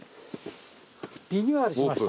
リニューアルしました。